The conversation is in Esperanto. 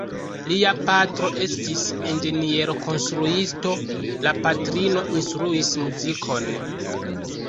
Lia patro estis inĝeniero-konstruisto, la patrino instruis muzikon.